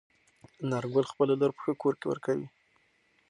انارګل خپله لور په ښه کور کې ورکوي.